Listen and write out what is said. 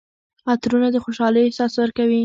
عطرونه د خوشحالۍ احساس ورکوي.